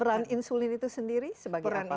peran insulin itu sendiri sebagai apa hormonnya